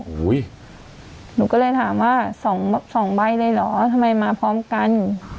หนูก็เลยถามว่า๒ใบเลยเหรอทำไมมาพร้อมกัน